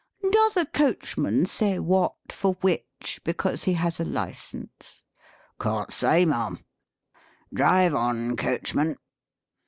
" Does a coachman say wot for which because he has a licence ?" "Can't say. Ma'am?" " Drive on, coachman."